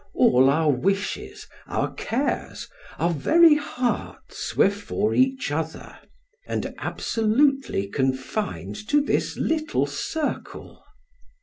All our wishes, our cares, our very hearts, were for each other, and absolutely confined to this little circle.